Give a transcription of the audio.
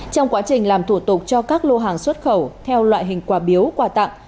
trong quá trình làm thủ tục cho các lô hàng xuất khẩu theo loại hình quà biếu quà tặng